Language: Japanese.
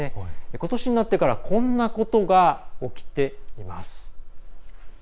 ことしになってからこんなことが起きています。